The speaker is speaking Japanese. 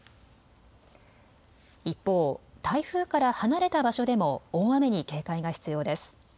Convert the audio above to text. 一方、台風から離れた場所でも大雨に警戒が必要です。